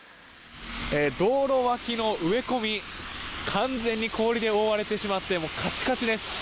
道路脇の植え込み完全に氷で覆われてしまってカチカチです。